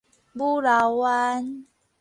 武朥灣